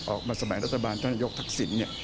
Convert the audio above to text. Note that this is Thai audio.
ออกมาสมัยรัฐบาลท่านยกทกษิณ